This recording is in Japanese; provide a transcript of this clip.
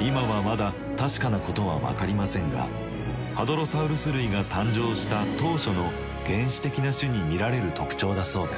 今はまだ確かなことは分かりませんがハドロサウルス類が誕生した当初の原始的な種に見られる特徴だそうです。